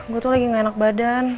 gue tuh lagi gak enak badan